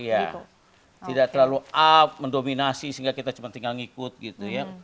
iya tidak terlalu up mendominasi sehingga kita cuma tinggal ngikut gitu ya